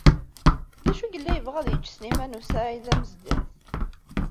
D acu i yella yebɣa ad t-yečč Sliman u Saɛid Amezdat?